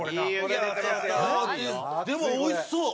でも美味しそう。